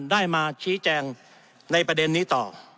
ได้มาชี้แจงในประเด็นนี้ต่อ